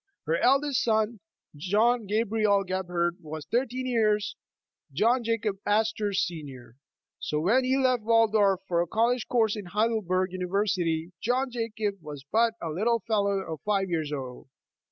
Her eldest son, John Gabriel Gebhard, was thirteen years John Jacob Astor 's senior, so when he left Waldorf for a college course in Heidelberg University, John Jacob was but a little fellow of five years old.